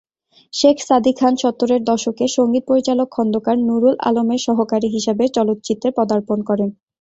শেখ সাদী খান সত্তরের দশকে সঙ্গীত পরিচালক খন্দকার নুরুল আলমের সহকারী হিসেবে চলচ্চিত্রে পদার্পণ করেন।